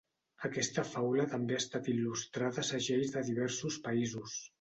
Aquesta faula també ha estat il·lustrada a segells de diversos països.